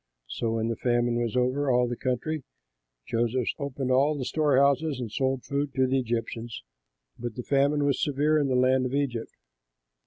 So when the famine was over all the country, Joseph opened all the storehouses and sold food to the Egyptians: but the famine was severe in the land of Egypt.